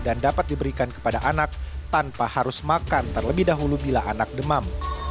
dan dapat diberikan kepada anak tanpa harus makan terlebih dahulu bila anak demam